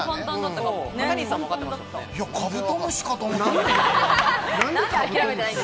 カブトムシかと思った。